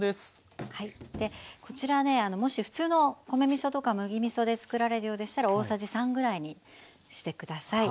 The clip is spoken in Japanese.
こちらねもし普通の米みそとか麦みそで作られるようでしたら大さじ３ぐらいにしてください。